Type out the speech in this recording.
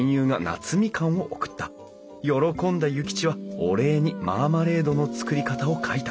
喜んだ諭吉はお礼にマーマレードの作り方を書いた。